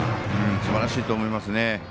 すばらしいと思いますね。